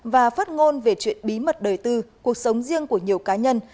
và phát ngôn về chuyện bí mật đời tư cuộc sống riêng của nhiều cá nhân